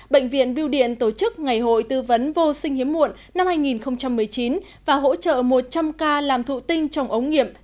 bệnh viện biêu điện tổ chức ngày hội tư vấn vô sinh hiếm muộn năm hai nghìn một mươi chín và hỗ trợ một trăm linh ca làm thụ tinh trong ống nghiệm